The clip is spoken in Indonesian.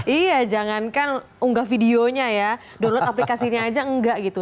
iya jangankan unggah videonya ya download aplikasinya aja enggak gitu